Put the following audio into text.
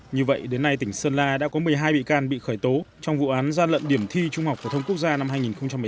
như vậy đến nay tỉnh sơn la đã có một mươi hai bị can bị khởi tố trong vụ án gian lận điểm thi trung học phổ thông quốc gia năm hai nghìn một mươi tám